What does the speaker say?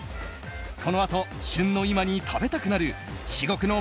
このあと、旬の今に食べたくなる至極の